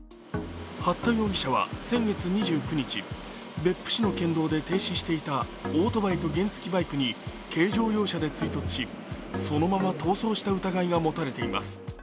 八田容疑者は先月２９日別府市の県道で停止していたオートバイと原付きバイクに軽乗用車で追突し、そのまま逃走した疑いが持たれています。